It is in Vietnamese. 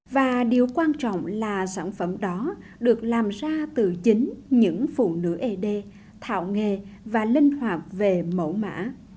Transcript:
và điều quan trọng là sản phẩm đó được làm ra từ chính những phụ nữ ed thạo nghề và linh hoạt về mẫu mã